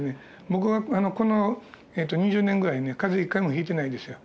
僕はこの２０年ぐらいね風邪１回もひいてないですよ。